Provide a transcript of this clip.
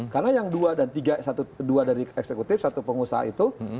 karena yang dua dan tiga dua dari eksekutif satu pengusaha itu